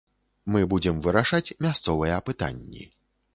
Мы будзем вырашаць мясцовыя пытанні.